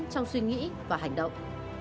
trong suy nghĩ và hành động